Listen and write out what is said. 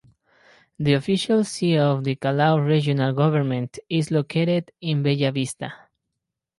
The official see of the Callao Regional Government is located in Bellavista.